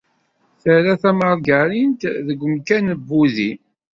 Terra tamargarint deg umkan n wudi.